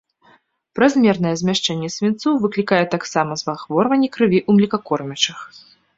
Празмернае змяшчэнне свінцу выклікае таксама захворванні крыві ў млекакормячых.